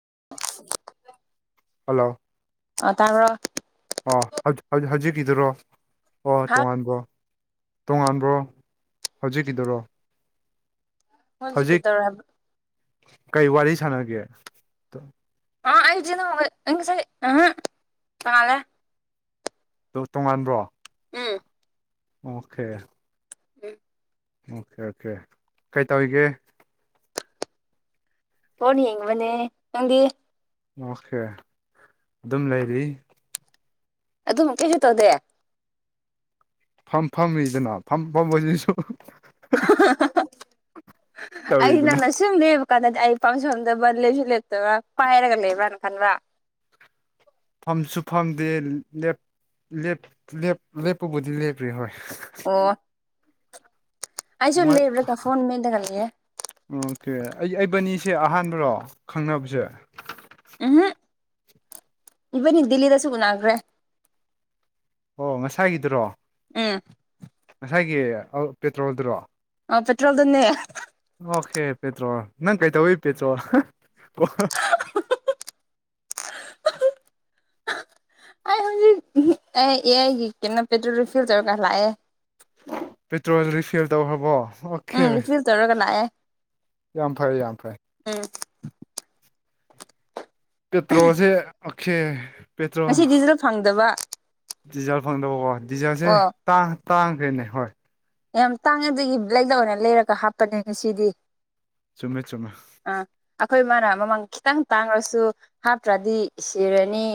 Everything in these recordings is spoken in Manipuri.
[unintelligible] ꯍꯜꯂꯣ ꯑ ꯇꯥꯕꯔꯣ ꯑꯣ ꯍꯧ ꯍꯧꯖꯤꯛꯀꯤꯗꯨꯔꯣ ꯑꯣ ꯍꯥ ꯇꯣꯉꯥꯟꯕꯣ ꯇꯣꯉꯥꯟꯕ꯭ꯔꯣ ꯍꯧꯖꯤꯛꯀꯤꯗꯨꯔꯣ ꯍꯧꯖꯤꯛ ꯀꯗꯧꯔꯦ ꯍꯥꯏꯕ ꯀꯩ ꯋꯥꯔꯤ ꯁꯥꯟꯅꯒꯦ ꯑꯥ ꯑꯩꯖꯦ ꯅꯍꯣꯏ ꯑꯩ ꯉꯁꯥꯏ ꯑꯍꯥ ꯀꯥꯜꯂꯦ ꯗꯣ ꯇꯣꯉꯥꯟꯕ꯭ꯔꯣ ꯎꯝ ꯑꯣꯀꯦ ꯎꯝ ꯑꯣꯀꯦ ꯑꯣꯀꯦ ꯀꯩ ꯇꯧꯔꯤꯒꯦ ꯐꯣꯟ ꯌꯦꯡꯕꯅꯦ ꯅꯪꯗꯤ ꯑꯣꯀꯦ ꯑꯗꯨꯝ ꯂꯩꯔꯤ ꯑꯗꯨꯝ ꯀꯩꯁꯨ ꯇꯧꯗꯦ ꯐꯝ ꯐꯝꯃꯤꯗꯅꯥ ꯐꯝ ꯐꯝꯕꯁꯤꯁꯨ ꯍ ꯍ ꯑꯩꯅ ꯇꯧꯔꯤꯗꯅ ꯅꯁꯨꯝ ꯗꯦꯕ ꯀꯥꯟꯗꯗꯤ ꯑꯩ ꯄꯥꯡꯁꯪꯗꯕ ꯂꯦꯞꯁꯨ ꯂꯦꯞꯇꯕ ꯄꯥꯏꯔꯒ ꯂꯩꯕ꯭ꯔꯥꯅ ꯈꯟꯕ꯭ꯔ ꯐꯝꯁꯨ ꯐꯝꯗꯦ ꯂꯦꯞ ꯂꯦꯞ ꯂꯦꯞ ꯂꯦꯞꯄꯕꯨꯗꯤ ꯂꯦꯞꯄꯤ ꯍꯣꯏ ꯑꯣ ꯑꯩꯁꯨ ꯃꯣꯏ ꯂꯦꯞꯂꯒ ꯐꯣꯟ ꯃꯦꯠꯂꯒ ꯂꯩꯌꯦ ꯑꯦ ꯑꯩ ꯑꯩꯕꯥꯅꯤꯁꯦ ꯑꯍꯥꯟꯕꯔꯣ ꯈꯪꯅꯕꯁꯦ ꯎꯝꯍꯝ ꯏꯕꯅꯤ ꯗꯤꯜꯂꯤꯗꯁꯨ ꯎꯅꯈ꯭ꯔꯦ ꯑꯣ ꯉꯁꯥꯏꯒꯤꯗꯨꯔꯣ ꯎꯝ ꯉꯁꯥꯏꯒꯤ ꯄꯦꯇ꯭ꯔꯣꯜꯗꯨꯔꯣ ꯑꯣ ꯄꯦꯇ꯭ꯔꯣꯜꯗꯨꯅꯦ ꯑꯍꯥ ꯍꯥ ꯑꯣꯀꯦ ꯄꯦꯇ꯭ꯔꯣꯜ ꯅꯪ ꯀꯩ ꯇꯧꯏ ꯄꯦꯇ꯭ꯔꯣꯜ ꯑꯣ ꯑꯩ ꯍꯧꯖꯤꯛ ꯎꯍꯨꯝ ꯑꯦ ꯑꯦꯑꯩꯒꯤ ꯀꯩꯅꯣ ꯄꯦꯇ꯭ꯔꯣꯜ ꯔꯦꯐꯤꯜ ꯇꯧꯔꯒ ꯂꯥꯛꯑꯦ ꯄꯦꯇ꯭ꯔꯣꯜ ꯔꯤꯐꯤꯜ ꯇꯧꯈ꯭ꯔꯕꯣ ꯎꯝ ꯑꯣꯀꯦ ꯔꯤꯐꯤꯜ ꯇꯧꯔꯒ ꯂꯥꯛꯑꯦ ꯌꯥꯝ ꯐꯔꯦ ꯌꯥꯝ ꯐꯩ ꯎꯝ ꯄꯦꯇ꯭ꯔꯣꯜꯁꯦ ꯑꯣꯈꯦ ꯉꯁꯤꯗꯤꯖꯤꯗꯣ ꯐꯪꯗꯕꯥ ꯗꯤꯖꯜ ꯐꯪꯗꯕꯀꯣ ꯗꯤꯖꯜꯁꯦ ꯇꯥꯡ ꯇꯥꯡꯈꯦꯅꯦ ꯍꯣꯏ ꯌꯥꯝ ꯇꯥꯡꯉꯦ ꯑꯗꯨꯒꯤ ꯕꯦꯂꯦꯛꯇ ꯑꯣꯏꯅ ꯂꯩꯔꯒ ꯍꯥꯞꯄꯅꯦ ꯉꯁꯤꯗꯤ ꯆꯨꯝꯃꯦ ꯆꯨꯝꯃꯦ ꯑꯈꯣꯏ ꯃꯥꯅ ꯃꯃꯟ ꯈꯤꯇꯪ ꯇꯥꯡꯉꯁꯨ ꯍꯥꯞꯇ꯭ꯔꯗꯤ ꯁꯤꯔꯅꯤ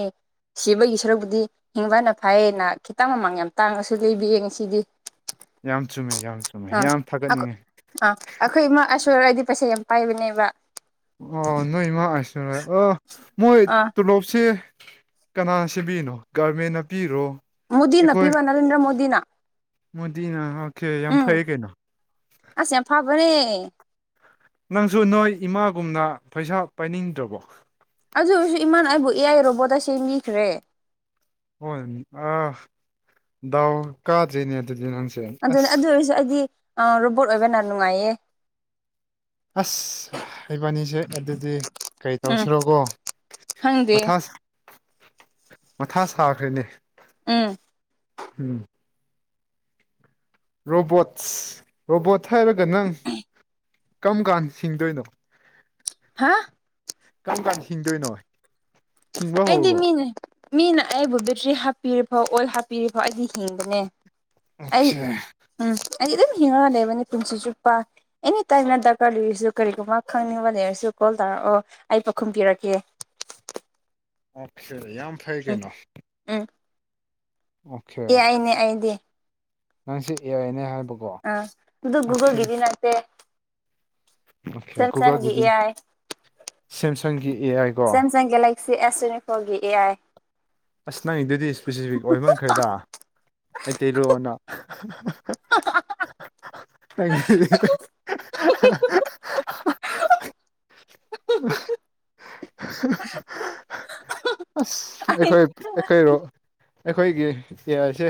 ꯁꯤꯕꯒꯤ ꯁꯔꯨꯛꯄꯨꯗꯤ ꯍꯤꯡꯕꯅ ꯐꯩ ꯅꯥ ꯈꯤꯇꯪ ꯃꯃꯟ ꯌꯥꯝ ꯇꯥꯡꯉꯁꯨ ꯂꯩꯕꯤꯌꯦ ꯉꯁꯤꯗꯤ ꯌꯥꯝ ꯆꯨꯝꯃꯦ ꯌꯥꯝ ꯆꯨꯝꯃꯦ ꯑꯥ ꯌꯥꯝ ꯊꯥꯒꯠꯅꯤꯡꯉꯦ ꯑꯥ ꯑꯩꯈꯣꯏ ꯏꯃꯥ ꯑꯥꯢꯁꯣꯔꯥꯏꯗꯤ ꯄꯩꯁꯥ ꯌꯥꯝ ꯄꯥꯏꯕꯅꯦꯕ ꯑꯣ ꯅꯣꯏ ꯏꯃꯥ ꯑꯥꯏꯁꯣꯔꯥꯏ ꯑꯣ ꯃꯣꯏ ꯑꯥ ꯇꯨꯂꯣꯞꯁꯤ ꯀꯅꯥꯅ ꯁꯦꯝꯕꯤꯔꯤꯅꯣ ꯒꯚꯔꯃꯦꯟꯅ ꯄꯤꯔꯣ ꯃꯣꯗꯤꯅ ꯑꯩꯈꯣꯏ ꯄꯤꯕ ꯅꯔꯦꯟꯗ꯭ꯔ ꯃꯣꯗꯤꯅ ꯃꯣꯗꯤꯅ ꯑꯣꯀꯦ ꯌꯥꯝ ꯐꯩꯌꯦ ꯀꯩꯅꯣ ꯃꯥꯅꯦ ꯅꯪꯁꯨ ꯅꯣꯏ ꯏꯃꯥꯒꯨꯝꯅ ꯄꯩꯁꯥ ꯄꯥꯏꯅꯤꯡꯗ꯭ꯔꯕꯣ ꯑꯗꯨ ꯑꯣꯏꯁꯨ ꯏꯃꯥꯅꯥ ꯑꯩꯕꯨ ꯑꯦ ꯑꯥꯢ ꯔꯣꯕꯣꯠꯇ ꯁꯦꯝꯕꯤꯈ꯭ꯔꯦ ꯍꯣꯢ ꯑꯥ ꯗꯥꯎ ꯀꯥꯗ꯭ꯔꯦꯅꯦ ꯑꯗꯨꯗꯤ ꯅꯪ ꯑꯗꯨꯅꯦ ꯑꯗꯨ ꯑꯣꯏꯔꯁꯨ ꯑꯩꯗꯤ ꯑꯥ ꯔꯣꯕꯣꯠ ꯑꯣꯏꯕꯅ ꯅꯨꯡꯉꯥꯏꯌꯦ ꯑꯁ ꯑꯩꯕꯥꯅꯤꯁꯦ ꯑꯗꯨꯗꯤ ꯀꯔꯤ ꯎꯝ ꯇꯧꯁꯤꯔꯥꯀꯣ ꯈꯪꯗꯦ ꯃꯊꯥ ꯁꯥꯈ꯭ꯔꯦꯅꯦ ꯎꯝ ꯎꯝ ꯔꯣꯕꯣꯠꯁ ꯔꯣꯕꯣꯠ ꯍꯥꯏꯔꯒ ꯅꯪ ꯀꯔꯝ ꯀꯥꯟꯗ ꯁꯤꯡꯗꯣꯏꯅꯣ ꯍꯥ ꯀꯔꯝ ꯀꯥꯟꯗ ꯍꯤꯡꯗꯣꯏꯅꯣ ꯍꯤꯡꯕ ꯑꯩꯗꯤ ꯍꯧꯔꯕꯣ ꯃꯤꯅꯦ ꯃꯤꯅ ꯑꯩꯕꯨ ꯕꯦꯇ꯭ꯔꯤ ꯍꯥꯞꯄꯤꯔꯤꯐꯥꯎ ꯑꯣꯏꯜ ꯍꯥꯞꯄꯤꯔꯤ ꯐꯥꯎ ꯑꯩꯗꯤ ꯊꯤꯡꯕꯅꯦ ꯑꯩ ꯑꯣꯀꯦ ꯎꯝ ꯑꯩꯗꯤ ꯑꯗꯨꯝ ꯍꯤꯡꯉꯒ ꯂꯩꯕꯅꯤ ꯄꯨꯟꯁꯤ ꯆꯨꯞꯄ ꯑꯦꯅꯤ ꯇꯥꯏꯝꯅ ꯗꯔꯀꯥꯔ ꯂꯩꯔꯁꯨ ꯀꯔꯤꯒꯨꯝꯕ ꯈꯪꯅꯤꯡꯕ ꯂꯩꯔꯁꯨ ꯀꯣꯜ ꯇꯥꯔꯛꯑꯣ ꯑꯩ ꯄꯥꯎꯈꯨꯝꯕꯤꯔꯛꯀꯦ ꯑꯣꯈꯦ ꯌꯥꯝ ꯐꯩ ꯎꯝ ꯀꯩꯅꯣ ꯎꯝ ꯑꯦ ꯑꯩꯅꯦ ꯑꯩꯗꯤ ꯅꯪꯁꯤ ꯑꯦ ꯑꯥꯏ ꯅꯦ ꯍꯥꯏ ꯑ ꯎꯗꯨ ꯒꯨꯒꯜꯒꯤꯗꯤ ꯅꯠꯇꯦ okay ꯁꯦꯝꯁꯪꯒꯤ ꯒꯨꯒꯜꯒꯤꯗꯤ A I ꯁꯦꯝꯁꯪꯒꯤ A I ꯀꯣ ꯁꯦꯝꯁꯪ ꯒꯦꯂꯦꯛꯁꯤ ꯑꯦꯁ ꯇ꯭ꯋꯦꯟꯇꯤ ꯐꯣꯔꯒꯤ ꯑꯦ ꯑꯥꯏ ꯑꯁ ꯅꯪꯒꯤꯗꯨꯗꯤ ꯏ꯭ꯁꯄꯦꯁꯤꯐꯤꯛ ꯑꯣꯏꯃꯟꯈ꯭ꯔꯦꯗ ꯃꯩꯇꯩꯂꯣꯟꯅ [unintelligible] ꯑꯩꯗꯤꯅꯦ [unintelligible] [unintelligible] [unintelligible] ꯑꯁ ꯑꯩ ꯑꯩꯈꯣꯏ ꯑꯩꯈꯣꯏꯔꯣ ꯑꯩꯈꯣꯏꯒꯤ ꯇꯤꯌꯥꯏꯁꯦ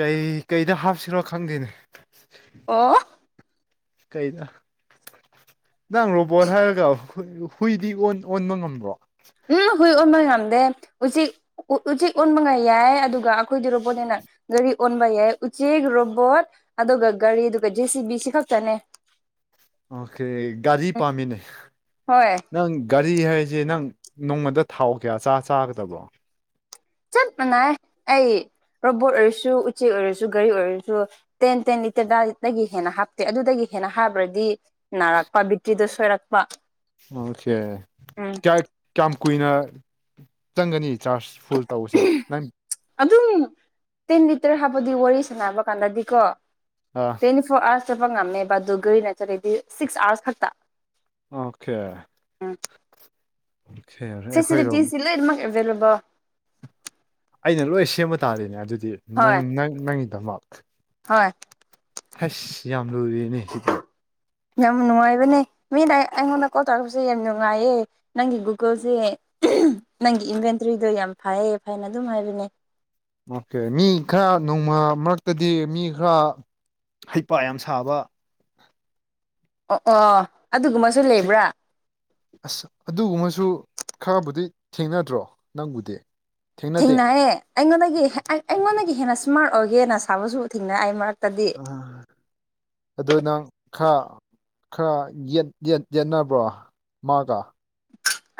ꯀꯩ ꯀꯩꯗ ꯍꯥꯞꯁꯤꯔꯣ ꯈꯪꯗꯦꯅꯦ ꯑꯣ ꯀꯩꯗ ꯅꯪ ꯔꯣꯕꯣꯠ ꯍꯥꯏꯔꯒ ꯍꯨꯏꯗꯤ ꯑꯣꯟ ꯑꯣꯟꯕ ꯉꯝꯕ꯭ꯔꯣ ꯎꯝ ꯍꯨꯏ ꯑꯣꯟꯕ ꯉꯝꯗꯦ ꯎꯆꯦꯛ ꯎꯆꯦꯛ ꯑꯣꯟꯕ ꯌꯥꯏ ꯑꯗꯨꯒ ꯑꯩꯈꯣꯏꯗꯤ ꯔꯣꯕꯣꯠꯅꯤꯅ ꯒꯥꯔꯤ ꯑꯣꯟꯕ ꯌꯥꯏ ꯎꯆꯦꯛ ꯔꯣꯕꯣꯠ ꯑꯗꯨꯒ ꯒꯥꯔꯤ ꯑꯗꯨꯒ ꯖꯦ ꯁꯤ ꯕꯤ ꯁꯤ ꯈꯛꯇꯅꯦ [inaudible] ꯑꯣꯀꯦ ꯒꯥꯔꯤ ꯄꯥꯝꯃꯤꯅꯦ ꯍꯣꯏ ꯅꯪ ꯒꯥꯔꯤ ꯍꯥꯏ ꯁꯦ ꯅꯪ ꯅꯣꯡꯃꯗ ꯊꯥꯎ ꯀꯌꯥ ꯆꯥ ꯆꯥꯒꯗꯕ꯭ꯔꯣ ꯆꯞ ꯃꯥꯟꯅꯩ ꯑꯩ ꯔꯣꯕꯣꯠ ꯑꯣꯏꯔꯁꯨ ꯎꯆꯦꯛ ꯑꯣꯏꯔꯁꯨ ꯒꯥꯔꯤ ꯑꯣꯏꯔꯁꯨ ꯇꯦꯟ ꯇꯦꯟ ꯂꯤꯇꯔꯗꯒꯤ ꯍꯦꯟꯅ ꯍꯥꯞꯇꯦ ꯑꯗꯨꯗꯒꯤ ꯍꯦꯟꯅ ꯍꯥꯞꯔꯗꯤ ꯅꯥꯔꯛꯄ ꯕꯤꯇ꯭ꯔꯤꯗ ꯁꯣꯏꯔꯛꯄ ꯑꯣꯀꯦ ꯎꯝ ꯀꯌꯥ ꯀꯌꯥꯝ ꯀꯨꯏꯅ ꯆꯪꯒꯅꯤ ꯆꯥꯔꯖ ꯐꯨꯜ ꯇꯧꯕꯁꯦ ꯅꯪ ꯑꯗꯨꯝ ꯇꯦꯟ ꯂꯤꯇꯔ ꯍꯥꯞꯄꯗꯤ ꯋꯥꯔꯤ ꯁꯥꯟꯅꯕ ꯀꯥꯟꯗꯗꯤꯀꯣ ꯑ ꯇ꯭ꯋꯦꯟꯇꯤ ꯐꯣꯔ ꯑꯥꯔ ꯆꯠꯄ ꯉꯝꯃꯦꯕ ꯗꯨ ꯒꯔꯤꯅ ꯆꯠꯂꯗꯤ ꯁꯤꯛꯁ ꯑꯋꯥ꯭ꯔꯁ ꯈꯛꯇ ꯑꯣꯀꯦ ꯎꯝ ꯑꯩꯈꯣꯏꯔꯣꯝ ꯐꯦꯁꯤꯂꯤꯇꯤꯁꯤ ꯂꯣꯏꯅꯃꯛ ꯑꯦꯚꯥꯏꯂꯦꯕꯜ ꯑꯩꯅ ꯂꯣꯏ ꯁꯦꯝꯕ ꯇꯥꯔꯅꯦ ꯑꯗꯨꯗꯤ ꯅꯪ ꯍꯣꯏ ꯅꯪ ꯅꯪꯒꯤꯗꯃꯛ ꯍꯣꯏ ꯍꯩꯁ ꯌꯥꯝ ꯂꯨꯔꯤꯅꯦ ꯁꯤꯗꯤ ꯌꯥꯝ ꯅꯨꯡꯉꯥꯏꯕꯅꯦ ꯃꯤꯅ ꯑꯩꯉꯣꯟꯗ ꯀꯣꯜ ꯇꯧꯔꯛꯄꯁꯦ ꯌꯥꯝ ꯅꯨꯡꯉꯥꯏꯌꯦ ꯅꯪꯒꯤ ꯒꯨꯒꯜꯁꯦ ꯅꯪꯒꯤ ꯏꯚꯦꯟ ꯗꯨꯏꯗꯣ ꯌꯥꯝ ꯐꯩꯌꯦ ꯐꯩꯅ ꯑꯗꯨꯝ ꯍꯥꯏꯕꯅꯦ ꯑꯣꯀꯦ ꯃꯤ ꯈꯔ ꯅꯣꯡꯃ ꯃꯔꯛꯇꯗꯤ ꯃꯤ ꯈꯔ ꯍꯩꯄꯥ ꯌꯥꯝ ꯁꯥꯕ ꯑꯣ ꯑꯣ ꯑꯗꯨꯒꯨꯝꯕꯁꯨ ꯂꯩꯕ꯭ꯔꯥ ꯑꯁ ꯑꯗꯨꯒꯨꯝꯕꯁꯨ ꯈꯔꯕꯨꯗꯤ ꯊꯦꯡꯅꯗ꯭ꯔꯣ ꯅꯪꯕꯨꯗꯤ ꯊꯦꯡꯅꯗꯦ ꯊꯦꯡꯅꯥꯌꯦ ꯑꯩꯉꯣꯟꯗꯒꯤ ꯑꯩ ꯑꯩꯉꯣꯟꯗꯒꯤ ꯍꯦꯟꯅ ꯏꯁꯃꯥꯔꯠ ꯑꯣꯏꯒꯦꯅ ꯁꯥꯕꯁꯨ ꯊꯦꯡꯅꯩ ꯑꯩꯃꯔꯛ ꯑ ꯑꯗꯨ ꯅꯪ ꯈꯔ ꯈꯔ ꯌꯦꯠ ꯌꯦꯠ ꯌꯦꯠꯅꯕ꯭ꯔꯣ ꯃꯥꯒ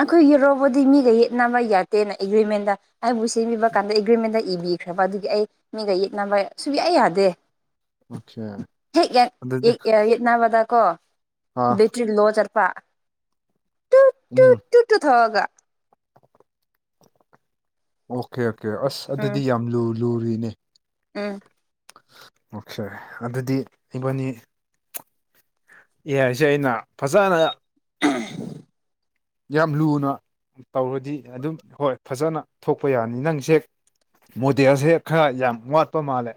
ꯑꯩꯈꯣꯏ ꯔꯣꯕꯣꯠꯇꯤ ꯃꯤꯒ ꯌꯦꯠꯅꯕ ꯌꯥꯗꯦꯅ ꯑꯦꯒ꯭ꯔꯤꯃꯦꯟꯗ ꯑꯩꯕꯨ ꯁꯤꯝꯕꯤꯕ ꯀꯥꯟꯗ ꯑꯦꯒ꯭꯭ꯔꯤꯃꯦꯟꯗ ꯏꯕꯤ ꯏꯈ꯭ꯔꯕ ꯑꯗꯨꯒꯤ ꯑꯩ ꯃꯤꯒ ꯌꯦꯠꯅꯕ ꯁꯨꯛꯌꯥ ꯌꯥꯗꯦ ꯑꯣꯀꯦ ꯍꯦꯛ ꯌꯦ ꯑꯗꯨꯗꯤ ꯌꯦ ꯌꯦꯠꯅꯥꯕꯗ ꯀꯣ ꯑꯥ ꯕꯦꯇ꯭ꯔꯤ ꯂꯣ ꯆꯠ ꯄꯥ ꯎꯝ ꯍꯒ ꯑꯣꯀꯦ ꯑꯣꯀꯦ ꯑꯁ ꯑꯗꯨꯗꯤ ꯌꯥꯝ ꯂꯨ ꯂꯨꯔꯤꯅꯦ ꯑꯝ ꯑꯣꯀꯦ ꯑꯗꯨꯗꯤ ꯏꯕꯥꯅꯤ ꯑꯦ ꯑꯥꯏꯁꯤ ꯑꯩꯅ ꯐꯖꯅ ꯎꯝ ꯌꯥꯝ ꯂꯨꯅ ꯇꯧꯔꯗꯤ ꯑꯗꯨꯝ ꯍꯣꯏ ꯐꯖꯅ ꯊꯣꯛꯄ ꯌꯥꯅꯤ ꯅꯪꯁꯦ ꯃꯣꯗꯦꯜꯁꯦ ꯈꯔ ꯌꯥꯝ ꯋꯥꯠꯄ ꯃꯥꯜꯂꯦ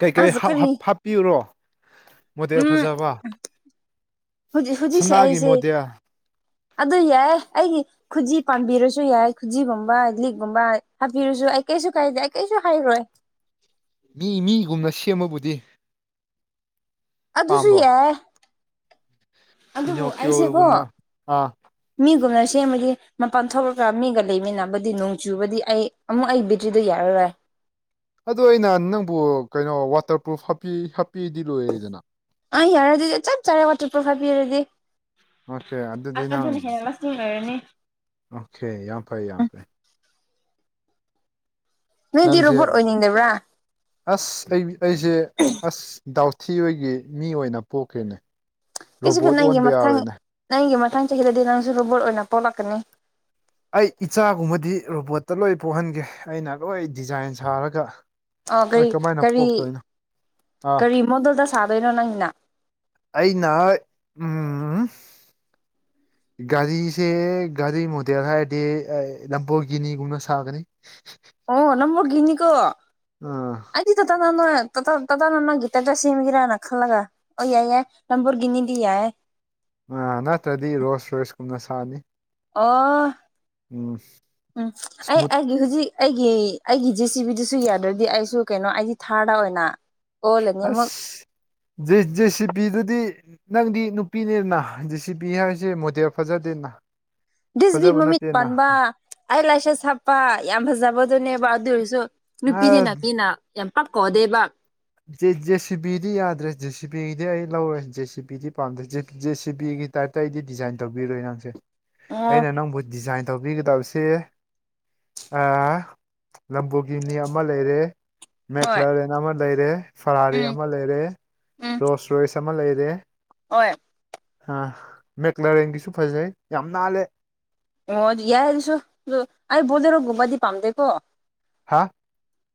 ꯀꯩꯀꯩ ꯑꯁ ꯀꯔꯤ ꯍꯥꯞꯄꯤꯌꯨꯔꯣ ꯃꯣꯗꯦꯜ ꯎꯝ ꯐꯖꯕ ꯍꯧꯖꯤꯛ ꯍꯧꯖꯤꯛꯁꯦ ꯁꯅꯥꯒꯤ ꯑꯩꯁꯦ ꯃꯣꯗꯦꯜ ꯑꯗꯨ ꯌꯥꯏ ꯑꯩꯒꯤ ꯈꯨꯖꯤ ꯄꯥꯟꯕꯤꯔꯁꯨ ꯌꯥꯏ ꯈꯨꯖꯤꯒꯨꯝꯕ ꯏꯂꯤꯛꯒꯨꯝꯕ ꯍꯥꯞꯄꯤꯔꯁꯨ ꯑꯩ ꯀꯩꯁꯨ ꯀꯥꯏꯗꯦ ꯀꯩꯁꯨ ꯍꯥꯏꯔꯣꯏ ꯃꯤ ꯃꯤꯒꯨꯝꯅ ꯁꯦꯝꯕꯕꯨꯗꯤ ꯑꯗꯨꯁꯨ ꯄꯥꯝꯕ꯭ꯔꯣ ꯌꯥꯏ ꯑꯗꯨꯕꯨ ꯑꯩꯁꯦꯀꯣ ꯄꯤꯅꯣꯀꯤꯌꯣꯒꯨꯝꯅ ꯑꯥ ꯃꯤꯒꯨꯝꯅ ꯁꯦꯝꯕꯗꯤ ꯃꯄꯥꯟ ꯊꯣꯛꯂꯒ ꯃꯤꯒ ꯂꯩꯃꯤꯟꯅꯕꯗꯤ ꯅꯣꯡ ꯆꯨꯕꯗꯤ ꯑꯩ ꯑꯃꯨꯛ ꯑꯩ ꯕꯤꯇ꯭ꯔꯤꯗꯣ ꯌꯥꯔꯔꯣꯏ [inaudible] ꯑꯗꯨ ꯑꯩꯅ ꯅꯪꯕꯨ ꯀꯩꯅꯣ ꯋꯥꯇꯔ ꯄ꯭ꯔꯨꯐ ꯍꯥꯞꯄꯤꯔꯗꯤ ꯂꯣꯏꯔꯦꯗꯅ ꯑꯦ ꯌꯥꯔꯦ ꯑꯗꯨꯗꯤ ꯆꯞ ꯆꯔꯦ ꯋꯥꯇꯔ ꯄ꯭ꯔꯨꯐ ꯍꯥꯟꯄꯤꯔꯗꯤ ꯑꯣꯀꯦ ꯑꯗꯨꯗꯤ ꯅꯪ ꯑꯗꯨꯅ ꯍꯦꯟꯅ ꯂꯩꯔꯅꯤ ꯑꯣꯀꯦ ꯌꯥꯝ ꯐꯩ ꯌꯥꯝ ꯐꯩ ꯅꯣꯏꯗꯤ ꯅꯪꯁꯦ ꯔꯣꯕꯣꯠ ꯑꯣꯏꯅꯤꯡꯗꯕ꯭ꯔꯥ ꯑꯁ ꯑꯩ ꯑꯩꯁꯦ ꯑꯁ ꯗꯥꯎꯊꯤ ꯍꯣꯏꯒꯤ ꯃꯤ ꯑꯣꯏꯅ ꯄꯣꯛꯈꯦꯅꯦ ꯏꯁꯤꯕꯨ ꯅꯪꯒꯤ ꯃꯊꯪ ꯅꯪꯒꯤ ꯃꯊꯪ ꯆꯍꯤꯗꯗꯤ ꯅꯪꯁꯨ ꯔꯣꯕꯣꯠ ꯑꯣꯏꯅ ꯄꯣꯛꯂꯛꯀꯅꯤ ꯑꯩ ꯏꯆꯥꯒꯨꯝꯕꯗꯤ ꯔꯣꯕꯣꯠꯇ ꯂꯣꯏ ꯄꯣꯛꯍꯟꯒꯦ ꯑꯩꯅ ꯂꯣꯏ ꯗꯤꯖꯥꯏꯟ ꯁꯥꯔꯒ ꯑ ꯀꯔꯤ ꯍꯣꯏ ꯀꯃꯥꯏꯅ ꯀꯔꯤ ꯄꯣꯛꯇꯣꯏꯅꯣ ꯑꯥ ꯀꯔꯤ ꯃꯣꯗꯦꯜꯗ ꯁꯥꯗꯣꯏꯅꯣ ꯅꯪꯅ ꯑꯩꯅ ꯎꯝ ꯒꯥꯔꯤꯁꯦ ꯒꯥꯔꯤ ꯃꯣꯗꯦꯜ ꯍꯥꯏꯔꯗꯤ ꯂꯝꯄꯣꯏꯒꯤꯅꯤꯒꯨꯝꯅ ꯁꯥꯒꯅꯤ ꯑꯣ ꯂꯝꯄꯣꯒꯅꯤ ꯀꯣ ꯑꯥ ꯑꯩꯗꯤ ꯇ ꯇ ꯅ ꯇ ꯇ ꯇ ꯅ ꯅꯪꯒꯤ ꯇꯥꯇꯥ ꯁꯝꯒꯦꯔꯅ ꯈꯜꯂꯒ ꯑꯣꯏ ꯌꯥꯏ ꯌꯥ ꯂꯝꯕꯨꯔꯒꯅꯤꯗꯤ ꯌꯥ ꯑ ꯅꯠꯇ꯭ꯔꯗꯤ ꯔꯣꯁ ꯔꯣꯏꯁ ꯀꯨꯝꯅ ꯁꯥꯅꯤ ꯑꯣ ꯎꯝ ꯎꯝ ꯑꯩ ꯏꯁꯃꯨꯠ ꯑꯩꯒꯤ ꯍꯧꯖꯤꯛ ꯑꯩꯒꯤ ꯑꯩꯒꯤ ꯖꯤ ꯁꯤ ꯕꯤꯗꯨꯁꯨ ꯌꯥꯗ꯭ꯔꯗꯤ ꯗꯤ ꯑꯩꯁꯨ ꯀꯩꯅꯣ ꯑꯩꯗꯤ ꯊꯥꯔꯗ ꯑꯣꯏꯅ ꯑꯣꯜꯂꯅꯤ ꯑꯃꯨꯛ ꯑꯁ ꯖꯦ ꯖꯦꯁꯤ ꯄꯤꯗꯨꯗꯤ ꯅꯪꯗꯤ ꯅꯨꯄꯤꯅꯤꯅ ꯖꯤ ꯁꯤ ꯄꯤ ꯍꯥꯏꯁꯦ ꯃꯣꯗꯦꯜ ꯐꯖꯗꯦꯅ ꯗꯤꯁꯤꯕꯤ ꯐꯖꯕ ꯃꯃꯤꯠ ꯅꯠꯇꯦꯅ ꯄꯥꯟꯕ ꯑꯥꯏ ꯂꯥꯏꯁꯦꯁ ꯍꯥꯞꯄ ꯌꯥꯝ ꯐꯖꯕꯗꯨꯅꯦꯕ ꯑꯗꯨ ꯑꯣꯏꯔꯁꯨ ꯑꯥ ꯅꯨꯄꯤꯅꯤꯅ ꯃꯤꯅ ꯌꯥꯝ ꯄꯥꯛ ꯀꯧꯗꯦꯕ ꯖꯦ ꯁꯤꯕꯤꯗꯤ ꯌꯥꯗ꯭ꯔꯦ ꯖꯦ ꯁꯤꯕꯤꯒꯤꯗꯤ ꯑꯩ ꯂꯧꯔꯣ ꯖꯦ ꯁꯤꯕꯤꯗꯤ ꯄꯥꯝꯗ꯭ꯔꯦ ꯖꯦ ꯁꯤꯕꯤꯒꯤ ꯑꯇꯩꯗꯤ ꯗꯤꯖꯥꯏꯟ ꯇꯧꯕꯤꯔꯣꯏ ꯅꯪꯁꯦ ꯑꯣ ꯑꯩꯅ ꯅꯪꯕꯨ ꯗꯤꯖꯥꯏꯟ ꯇꯧꯕꯤꯒꯗꯕꯁꯦ ꯑꯥ ꯂꯝꯕꯨꯒꯤꯅꯤ ꯑꯃ ꯂꯩꯔꯦ ꯍꯣꯏ ꯃꯦꯀ꯭ꯂꯥꯔꯦꯟ ꯑꯃ ꯂꯩꯔꯦ ꯐꯔꯥꯔꯤ ꯎꯝ ꯑꯃ ꯂꯩꯔꯦ ꯔꯣꯁ ꯔꯣꯏꯁ ꯑꯃ ꯂꯩꯔꯦ ꯑꯣꯏ ꯑ ꯃꯦꯀꯂꯥꯔꯦꯟꯒꯤꯁꯨ ꯐꯖꯩ ꯌꯥꯝ ꯅꯥꯜꯂꯦ ꯑꯣ ꯑꯗꯨ ꯌꯥꯏ ꯑꯗꯨꯁꯨ ꯑꯩ ꯕꯣꯖꯦꯔꯣꯒꯨꯝꯕꯗꯤ ꯄꯥꯝꯗꯦꯀꯣ ꯍꯥ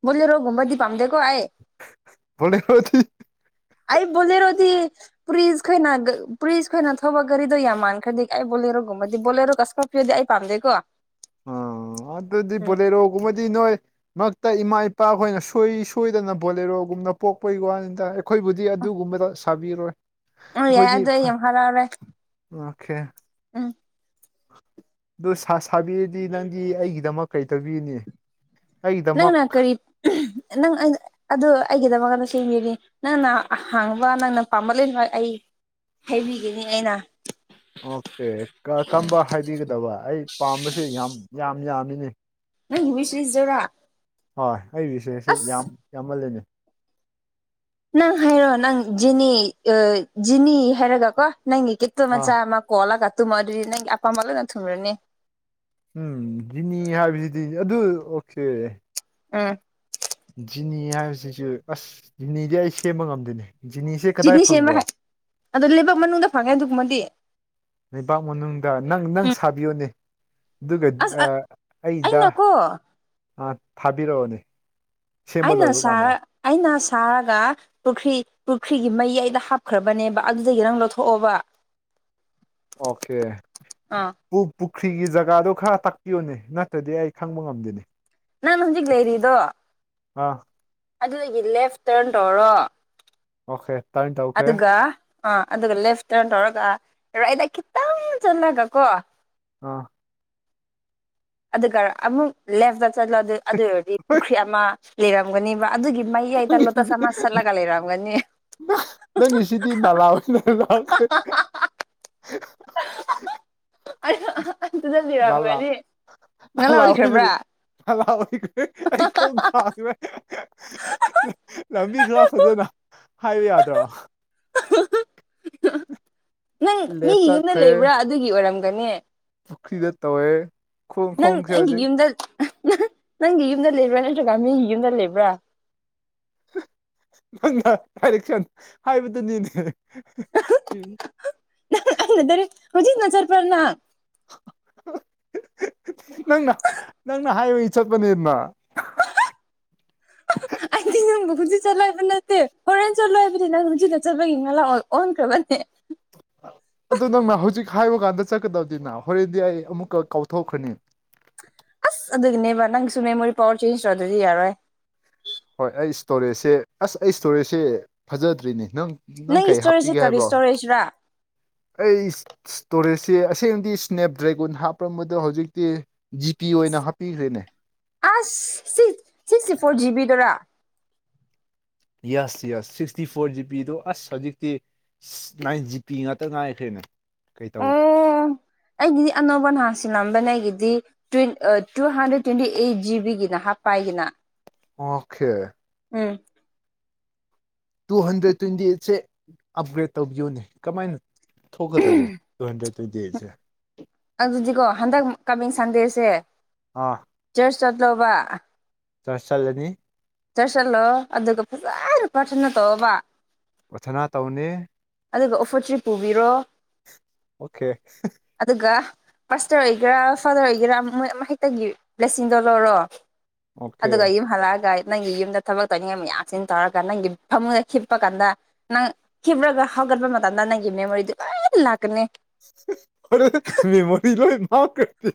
ꯕꯣꯂꯦꯔꯣ ꯒꯨꯝꯝꯕꯗꯤ ꯄꯥꯝꯗꯦ [unintelligible] ꯑꯩ ꯕꯣꯂꯦꯔꯣꯗꯤ ꯄꯨꯔꯤꯁ ꯈꯣꯏꯅ ꯄꯨꯔꯤꯁ ꯈꯣꯏꯅ ꯊꯧꯕ ꯒꯔꯤꯗꯣ ꯌꯥꯝ ꯃꯥꯟꯈ꯭ꯔꯦ ꯀꯥꯏ ꯕꯣꯂꯦ ꯈꯔ ꯒꯨꯕꯗꯤ ꯕꯣꯂꯦꯔꯣ ꯀꯁꯀ ꯄꯤꯔꯗꯤ ꯑꯩ ꯄꯥꯝꯗꯦꯀꯣ ꯑ ꯑꯗꯨꯗꯤ ꯎꯝ ꯕꯣꯂꯦꯔꯣꯒꯨꯝꯕꯗꯤ ꯅꯣꯏ ꯃꯔꯛꯇ ꯏꯃꯥ ꯏꯞ ꯄꯥꯥ ꯈꯣꯏꯅ ꯁꯣꯏ ꯁꯣꯏꯗꯅ ꯕꯣꯂꯦꯔꯣꯒꯨꯝꯅ ꯄꯣꯛꯄꯒꯤ ꯋꯥꯅꯤꯗ ꯑꯩꯈꯣꯏꯕꯨꯗꯤ ꯑꯗꯨꯒꯨꯝꯕꯗ ꯊꯥꯕꯤꯔꯣꯏ ꯑꯣ ꯌꯥꯏ ꯑꯈꯣꯏꯗꯤ ꯑꯗꯣ ꯑꯩ ꯐ ꯌꯥꯝ ꯍꯔꯥꯎꯔꯦ ꯑꯥ ꯎꯝ ꯑꯗꯨ ꯁꯥ ꯁꯥꯕꯤꯔꯗꯤ ꯅꯪꯗꯤ ꯑꯩꯒꯤꯗꯃꯛ ꯀꯩ ꯇꯧꯕꯤꯒꯅꯤ ꯅꯪꯅ ꯀꯔꯤ ꯅꯪ ꯑꯩ ꯑꯗꯨ ꯑꯩꯒꯤꯗꯃꯛ ꯆꯦꯡꯒꯤꯅꯤ ꯅꯪꯅ ꯍꯥꯡꯕ ꯅꯪꯅ ꯄꯥꯝꯕ ꯂꯣꯏꯅꯃꯛ ꯑꯩ ꯍꯩꯕꯤꯒꯤꯅꯤ ꯑꯩꯅ ꯑꯣꯀꯦ ꯀꯝꯕ ꯍꯥꯏꯕꯤꯒꯗꯕ ꯑꯩ ꯄꯥꯝꯕꯁꯦ ꯌꯥꯝ ꯌꯥꯝ ꯌꯥꯝꯃꯤꯅꯦ ꯅꯪꯒꯤ ꯌ꯭ꯋꯤꯁꯦꯁꯖꯣꯔꯥ ꯍꯣꯏ ꯑꯩꯒꯤ ꯃꯤꯁꯦꯁꯤ ꯌꯥꯝ ꯌꯥꯝꯃꯜꯂꯦꯅꯦ ꯅꯪ ꯍꯥꯏꯔꯣ ꯅꯪ ꯖꯤꯅꯤ ꯖꯤꯅꯤ ꯍꯥꯏꯔꯒ ꯀꯣ ꯅꯪꯒꯤ ꯒꯤꯠꯇꯣ ꯑꯥ ꯃꯆꯥ ꯃꯥ ꯀꯣꯂꯒ ꯇꯨꯝꯃꯣ ꯗꯨꯗꯤ ꯅꯪꯒꯤ ꯑꯄꯥꯝꯕ ꯂꯣꯏꯅ ꯊꯨꯡꯔꯅꯤ ꯎꯝ ꯖꯤꯅꯤ ꯍꯥꯏꯕꯁꯤꯗꯤ ꯑꯗꯨ ꯑꯣꯀꯦ ꯎꯝ ꯖꯤꯅꯤ ꯍꯥꯏꯕꯁꯤꯁꯨ ꯑꯁ ꯖꯤꯅꯤꯗꯤ ꯑꯩ ꯁꯦꯝꯕ ꯉꯝꯗꯦꯅꯦ ꯖꯤꯅꯤꯁꯦ ꯀꯗꯥꯏ ꯖꯤꯅꯤ ꯁꯦꯝꯕ ꯐꯪꯕꯣ ꯍꯩ ꯑꯗꯣ ꯂꯩꯕꯥꯛ ꯃꯅꯨꯡꯗ ꯐꯪꯉꯦ ꯑꯗꯨꯒꯨꯝꯕꯗꯤ ꯂꯩꯕꯥꯛ ꯃꯅꯨꯡꯗ ꯅꯪ ꯅꯪ ꯁꯥꯕꯤꯌꯣꯅꯦ ꯑꯗꯨꯒ ꯑꯁ ꯑꯥ ꯑꯩꯗ ꯑꯩꯅꯀꯣ ꯊꯥꯕꯤꯔꯛꯑꯣꯅꯦ ꯁꯦꯝꯕ ꯑꯩꯅ ꯂꯣꯏꯕ ꯀꯥꯟꯗ ꯁꯥꯔ ꯑꯩꯅ ꯁꯥꯔꯒ ꯄꯨꯈ꯭ꯔꯤ ꯄꯨꯈ꯭ꯔꯤꯒꯤ ꯃꯌꯥꯏꯗ ꯍꯥꯞꯈ꯭ꯔꯕꯅꯦꯕ ꯑꯗꯨꯗꯒꯤ ꯅꯪ ꯂꯧꯊꯣꯛꯑꯣꯕ [inaudible] ꯑꯣꯀꯦ ꯑꯥ ꯄꯨ ꯄꯨꯛ ꯄꯨꯈ꯭ꯔꯤꯒꯤ ꯖꯒꯥꯗꯣ ꯈꯔ ꯇꯥꯛꯄꯤꯌꯨꯅꯦ ꯅꯠꯇ꯭ꯔꯗꯤ ꯑꯩ ꯈꯪꯕ ꯉꯝꯗꯦꯅꯦ ꯅꯪꯅ ꯍꯨꯖꯤꯛ ꯂꯩꯔꯤꯗꯣ ꯑꯥ ꯑꯗꯨꯏꯒꯤ ꯂꯦꯐ ꯇꯔꯟ ꯇꯧꯔꯣ ꯑꯣꯀꯦ ꯇꯔꯟ ꯇꯧꯈ꯭ꯔꯦ ꯑꯗꯨꯒ ꯑꯥ ꯑꯗꯨꯒ ꯂꯦꯐ ꯇꯔꯟ ꯇꯧꯔꯒ ꯔꯥꯏꯗ ꯈꯤꯇꯪ ꯆꯠꯂꯒ ꯀꯣ ꯑ ꯑꯗꯨꯒ ꯑꯃꯨꯛ ꯂꯦꯞꯇ ꯆꯠꯂꯣ ꯑꯗꯨ ꯑꯣꯏꯔꯗꯤ ꯄꯨꯈ꯭ꯔꯤ ꯑꯃ ꯂꯩꯔꯝꯒꯅꯤꯕ ꯑꯗꯨꯒꯤ ꯃꯌꯥꯏꯗ ꯂꯣꯇ꯭ꯁ ꯑꯃ ꯁꯥꯠꯂꯒ ꯂꯩꯔꯝꯒꯅꯤ ꯅꯪꯒꯤꯁꯤꯗꯤ ꯅꯂꯥ ꯑꯣꯏꯅ ꯂꯥꯛꯈ꯭ꯔꯦ [inaudible] ꯑꯗꯨꯗ ꯅꯥꯂꯥ ꯂꯩꯔꯝꯒꯅꯤ ꯅꯪ ꯅꯥꯂꯥ ꯑꯣꯏꯅ ꯂꯧꯈ꯭ꯔꯕ꯭ꯔꯥ ꯅꯥꯂꯥ ꯑꯣꯏ ꯑꯦ ꯑꯩ ꯈꯣꯡ ꯊꯥꯡꯈ꯭ꯔꯦ ꯂꯝꯕꯤ ꯈꯔ ꯐꯖꯅ ꯍꯥꯏꯌꯨ ꯌꯥꯗ꯭ꯔꯣ ꯅꯪ ꯂꯦꯐ ꯃꯤꯒꯤ ꯌꯨꯝꯗ ꯆꯠꯈ꯭ꯔꯦ ꯂꯩꯕ꯭ꯔꯥ ꯑꯗꯨꯒꯤ ꯑꯣꯏꯔꯝꯒꯅꯤ ꯄꯨꯈ꯭ꯔꯤꯗ ꯇꯧꯋꯦ ꯈꯣꯡ ꯅꯪ ꯈꯣꯡꯁꯦ ꯅꯪꯒꯤ ꯍꯧꯖꯤꯛ ꯌꯨꯝꯗ ꯅꯪꯒꯤ ꯌꯨꯝꯗ ꯂꯩꯕ꯭ꯔꯥ ꯅꯠꯇ꯭ꯔꯒ ꯃꯤꯒꯤ ꯌꯨꯝꯗ ꯂꯩꯕ꯭ꯔꯥ ꯪ ꯅꯪꯅ ꯗꯥꯏꯔꯛ ꯀꯟ ꯍꯥꯏꯕꯗꯨꯅꯤꯅꯦ ꯅꯪꯅ ꯗꯥꯏꯔꯦꯛ ꯍꯧꯖꯤꯛꯅ ꯆꯠꯄꯔ ꯅꯪ ꯅꯪꯅ ꯅꯪꯅ ꯍꯥꯏꯕꯒꯤ ꯆꯠꯄꯅꯦꯃ [inaudible] ꯑꯩꯗꯤ ꯅꯪꯕꯨ ꯍꯧꯖꯤꯛ ꯆꯠꯂꯣ ꯍꯥꯏꯕ ꯅꯠꯇꯦ ꯍꯣꯔꯦꯟ ꯆꯠꯂꯣꯏ ꯍꯥꯏꯕꯗꯤ ꯅꯪ ꯍꯧꯖꯤꯛꯅ ꯆꯠꯂꯒꯤ ꯅꯥꯂꯥ ꯑꯣꯟꯈ꯭꯭ꯔꯕꯅꯦ ꯑꯗꯨ ꯅꯪꯅ ꯍꯧꯖꯤꯛ ꯍꯥꯏꯕ ꯀꯥꯟꯗ ꯆꯠꯀꯗꯕꯅꯤꯅ ꯍꯣꯔꯦꯟꯗꯤ ꯑꯩ ꯑꯃꯨꯛꯀ ꯀꯥꯎꯊꯣꯛꯈ꯭ꯔꯅꯤ ꯑꯁ ꯑꯗꯨꯒꯤꯅꯦꯕ ꯅꯪꯁꯨ ꯃꯦꯃꯣꯔꯤ ꯄꯋꯥꯔ ꯆꯦꯟꯖ ꯇꯧꯗ꯭ꯔꯗꯤ ꯌꯥꯔꯣꯏ ꯍꯣꯏ ꯑꯩ ꯏꯁꯇꯣꯔꯦꯖꯁꯦ ꯑꯁ ꯑꯩ ꯏꯁꯇꯣꯔꯦꯖꯁꯦ ꯐꯖꯗ꯭ꯔꯦꯅꯦ ꯅꯪ ꯅꯪ ꯅꯪꯒꯤ ꯀꯩ ꯏꯁꯇꯣꯔꯦꯖꯁꯦ ꯍꯥꯞꯄꯤꯒꯦ ꯀꯔꯤ ꯍꯥꯏꯕ꯭ꯔꯣ ꯏꯁꯇꯣꯔꯦꯖꯔꯥ ꯑꯩ ꯏꯁ ꯇꯣꯔꯦꯁ ꯑꯦ ꯑꯁꯦꯡꯗꯤ ꯁ꯭ꯅꯦꯞ ꯗ꯭ꯔꯦꯒꯣꯟ ꯍꯥꯞꯄꯝꯕꯗꯣ ꯍꯧꯖꯤꯛꯇꯤ ꯖꯤꯄꯤ ꯑꯣꯏꯅ ꯍꯥꯞꯄꯤꯈ꯭ꯔꯦꯅꯦ ꯑꯁ ꯁꯤ ꯁꯤꯁꯦ ꯐꯣꯔ ꯖꯤꯕꯤꯗꯨꯔ ꯌꯦꯁ ꯌꯦꯁ ꯁꯤꯛꯁꯇꯤ ꯐꯣꯔ ꯖꯤꯕꯤꯗꯣ ꯑꯁ ꯍꯧꯖꯤꯛꯇꯤ ꯅꯥꯏꯟ ꯖꯤ ꯄꯤ ꯉꯥꯛꯇ ꯉꯥꯏꯈ꯭ꯔꯦꯅꯦ ꯀꯩ ꯇꯧ ꯑꯣ ꯑꯩꯒꯤꯗꯤ ꯑꯅꯧꯕ ꯅꯍꯥꯟ ꯁꯤꯜꯂꯝꯕꯅꯦ ꯑꯩꯒꯤꯗꯤ ꯇꯨ ꯍꯟꯗ꯭ꯔꯦꯠ ꯇ꯭ꯋꯦꯟꯇꯤ ꯑꯩꯏꯠ ꯖꯤꯕꯤꯒꯤꯅ ꯍꯥꯞꯄꯥ ꯑꯩꯒꯤꯅ ꯑꯣꯀꯦ ꯎꯝ ꯇꯨ ꯍꯟꯗ꯭ꯔꯦꯗ ꯇ꯭ꯋꯦꯟꯇꯤ ꯑꯩꯏꯠꯁꯦ ꯑꯞꯒ꯭ꯔꯦꯗ ꯇꯧꯕꯤꯌꯣꯅꯦ ꯀꯃꯥꯏꯅ ꯊꯣꯛꯀꯗꯕꯣ ꯇꯨ ꯍꯟꯗ꯭ꯔꯦꯠ ꯇ꯭ꯋꯦꯟꯇꯤ ꯑꯩꯠꯁꯦ ꯑꯗꯨꯗꯤꯀꯣ ꯍꯟꯗꯛ ꯀꯃꯤꯡ ꯁꯟꯗꯦꯁꯦ ꯑꯥ ꯆꯔꯆ ꯆꯠꯂꯣꯕ ꯆꯔꯁ ꯆꯠꯂꯅꯤ ꯆꯠꯁꯜꯂꯣ ꯑꯗꯨꯒ ꯐꯖ ꯄꯥꯔꯊꯅ ꯇꯧꯕ ꯄꯊꯅ ꯇꯧꯅꯦ ꯑꯗꯨꯒ ꯑꯣꯐꯔꯁꯤ ꯄꯨꯕꯤꯔꯣ ꯑꯣꯀꯦ ꯃꯥꯁꯇꯔ ꯑꯣꯏꯒꯦꯔꯥ ꯐꯥꯗꯔ ꯑꯣꯏꯒꯦꯔꯥ ꯃꯣꯏ ꯑꯃ ꯍꯦꯛꯇꯒꯤ ꯂꯁꯤꯡꯗꯣ ꯂꯧꯔꯣ ꯑꯣꯀꯦ ꯑꯗꯨꯒ ꯌꯨꯝ ꯍꯜꯂꯛ ꯑꯒ ꯅꯪꯒꯤ ꯌꯨꯝꯗ ꯊꯕꯛ ꯇꯧꯅꯤꯡꯉꯥꯏ ꯃꯌꯥꯝꯁꯤ ꯇꯧꯔꯒ ꯅꯪꯒꯤ ꯐꯃꯨꯡꯗ ꯈꯤꯞꯄ ꯀꯥꯟꯗ ꯅꯪ ꯈꯤꯞꯂꯒ ꯍꯧꯒꯠꯄ ꯃꯇꯝꯗ ꯅꯪꯒꯤ ꯃꯦꯃꯣꯔꯤꯗꯣ ꯂꯣꯏ ꯂꯥꯛꯀꯅꯤ ꯑꯗꯨꯗꯤ ꯃꯦꯃꯣꯔꯤ ꯂꯣꯏꯅ ꯃꯥꯡꯈꯔꯥꯗꯤ